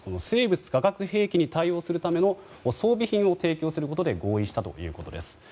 生物・化学兵器に対応するための装備品を提供することで合意したということです。